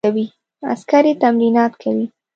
عسکري تمرینات کوي.